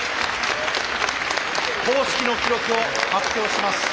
公式の記録を発表します。